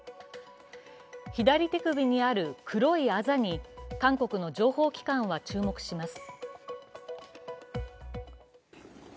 左手首にある黒いあざに韓国の情報機関は注目します。